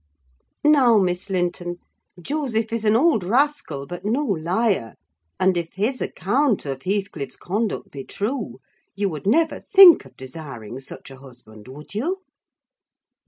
Now, Miss Linton, Joseph is an old rascal, but no liar; and, if his account of Heathcliff's conduct be true, you would never think of desiring such a husband, would you?"